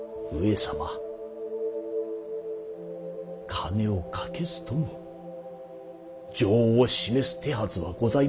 金をかけずとも情を示す手はずはございます。